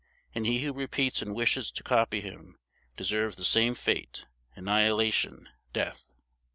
And he who repeats and wishes to copy him deserves the same fate, annihilation, death."